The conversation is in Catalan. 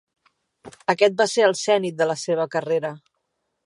Aquest va ser el zenit de la seva carrera.